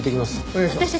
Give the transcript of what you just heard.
お願いします。